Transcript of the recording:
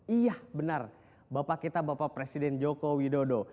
iya benar bapak kita bapak presiden joko widodo